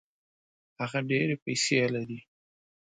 هغه ډېري پیسې لري.